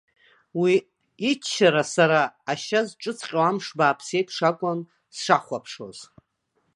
Уи иччара сара, ашьа зҿыҵҟьо амш бааԥс еиԥш акәын сшахәаԥшуаз.